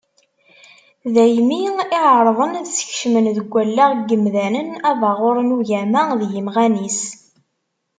Daymi i εerrḍen ad skecmen deg wallaɣ n yimdanen abaɣur n ugama d yimɣan-is.